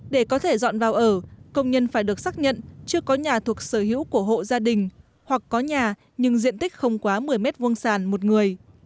để có thể dọn vào ở công nhân phải được xác nhận chưa có nhà thuộc sở hữu của hộ gia đình hoặc có nhà nhưng diện tích không quá một mươi m hai sàn một người